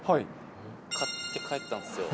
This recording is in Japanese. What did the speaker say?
買って帰ったんっすよ。